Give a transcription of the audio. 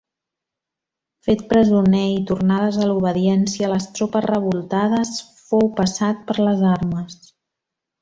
Fet presoner, i tornades a l'obediència les tropes revoltades, fou passat per les armes.